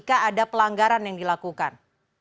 ada pelanggaran yang dilakukan